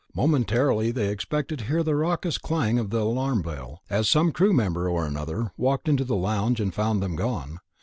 Momentarily they expected to hear the raucous clang of the alarm bell, as some crew member or another walked into the lounge and found them gone.